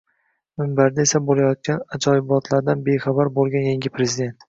Minbarda esa, bo‘layotgan ajoyibotlardan bexabar bo‘lgan yangi Prezident